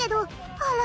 あら？